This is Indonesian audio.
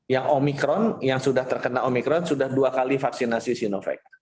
yang omikron yang sudah terkena omikron sudah dua kali vaksinasi sinovac